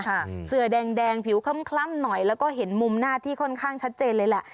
เสือแดงแดงผิวคล้ำคล่ำหน่อยแล้วก็เห็นมุมหน้าที่ค่อนข้างชัดเจนเลยแหละ